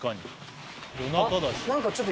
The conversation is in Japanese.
何かちょっと。